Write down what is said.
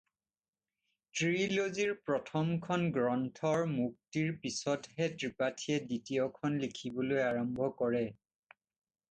ত্ৰিলজীৰ প্ৰথমখন গ্ৰন্থৰ মুক্তিৰ পিছতহে ত্ৰিপাঠীয়ে দ্বিতীয়খন লিখিবলৈ আৰম্ভ কৰে।